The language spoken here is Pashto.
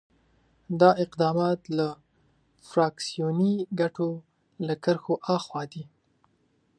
دا اقدامات له فراکسیوني ګټو له کرښو آخوا دي.